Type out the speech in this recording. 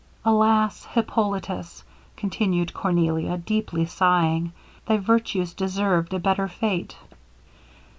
Alas! Hippolitus,' continued Cornelia, deeply sighing, 'thy virtues deserved a better fate.'